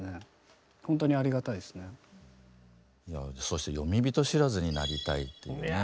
そして詠み人知らずになりたいというね。